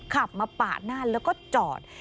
ขับมาปาดหน้าแล้วก็จอด